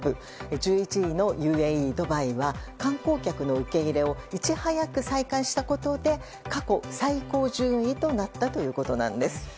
１１位のＵＡＥ・ドバイは観光客の受け入れをいち早く再開したことで過去最高順位となったということです。